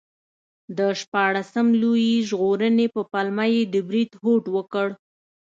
د شپاړسم لویي ژغورنې په پلمه یې د برید هوډ وکړ.